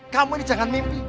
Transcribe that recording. kamu ini jangan mimpi